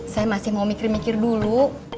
saya masih mau mikir mikir dulu